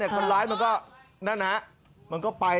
คนร้ายมันก็นั่นนะมันก็ไป